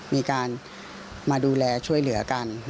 มีการมาดูแลช่วยเหลือกัน